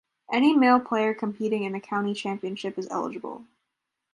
Any male player competing in the County Championship is eligible.